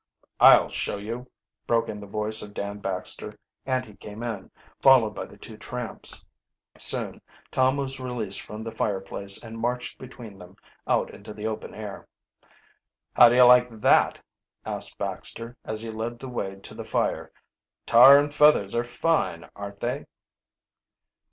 "I'll show you," broke in the voice of Dan Baxter, and he came in, followed by the two tramps. Soon Tom was released from the fireplace and marched between them out into the open air. "How do you like that?" asked Baxter, as he led the way to the fire. "Tar and feathers are fine, aren't they?"